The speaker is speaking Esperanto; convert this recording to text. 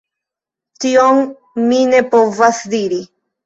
Tion mi ne povas diri.